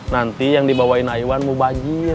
nanti yang dibawain aiwan mau bagi